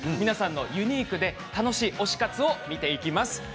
皆さんのユニークで、楽しい推し活を見ていきます。